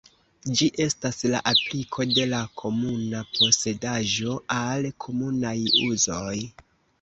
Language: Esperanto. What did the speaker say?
Ĝi estas la apliko de la komuna posedaĵo al komunaj uzoj.